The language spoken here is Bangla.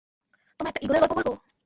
তোমায় একটা ঈগলের গল্প বলবো?